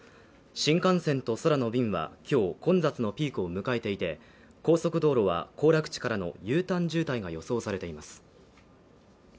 新幹線と空の便は今日混雑のピークを迎えていて、高速道路は行楽地からのＵターン渋滞が予想されています。